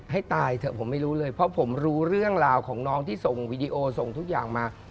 ให้ตายเถอะผมไม่รู้เลยเพราะผมรู้เรื่องราวของน้องที่ส่งวีดีโอส่งทุกอย่างมา